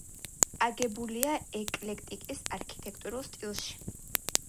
აგებულია ეკლექტიკის არქიტექტურულ სტილში.